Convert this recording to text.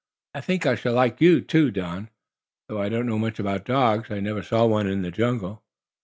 "I think I shall like you, too, Don, though I don't know much about dogs. I never saw any in the jungle."